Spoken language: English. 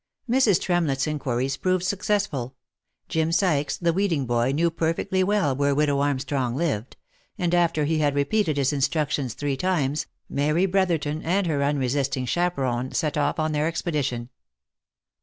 Mrs. Tremlett's inquiries proved successful. Jim Sykes, the weeding boy, knew perfectly well where widow Armstrong lived ; and after he had repeated his instructions three times, Mary Brotherton and her unresisting chaperon set off on their expedition.